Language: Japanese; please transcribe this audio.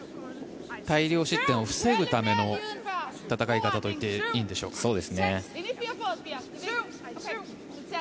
大量失点を防ぐための戦い方といっていいんでしょうか。